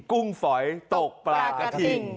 กุ้งฝอยตกปลากระทิง